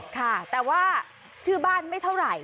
ค่ะแต่ว่าชื่อบ้านไม่เท่าไหร่